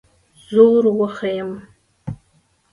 زور وښیم.